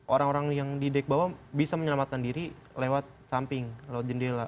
orang orang yang di dek bawah bisa menyelamatkan diri lewat samping lewat jendela